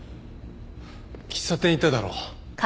喫茶店行っただろ？